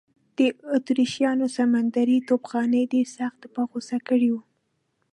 د اتریشیانو سمندري توپخانې دی سخت په غوسه کړی و.